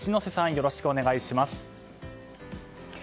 よろしくお願いします。